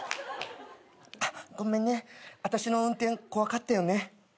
ごめんね私の運転怖かったよね。